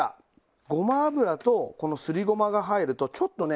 ごま油とこのすりごまが入るとちょっとね